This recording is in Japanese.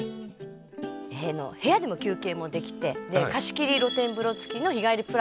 「部屋でも休憩もできて貸切露天風呂付きの日帰りプランもあるんですね